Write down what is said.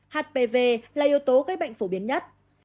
hpv là yếu tố gây bệnh phổ biến nhất